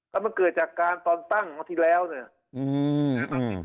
แล้วมันเกิดจากการตอนตั้งวันที่แล้วเนี่ย